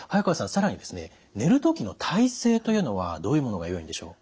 更にですね寝る時の体勢というのはどういうものがよいんでしょう？